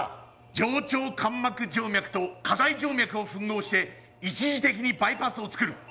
上腸間膜静脈と下大静脈を吻合して一時的にバイパスを作る。